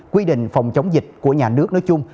quy định phòng chống dịch của nhà nước nói chung